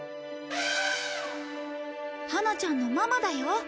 ハナちゃんのママだよ。